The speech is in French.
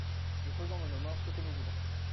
Nous faisons de nos morts ce que nous voulons.